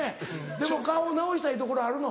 でも顔直したいところあるの？